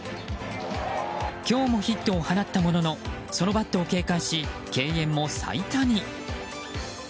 今日もヒットを放ったもののそのバットを警戒し敬遠も最多に。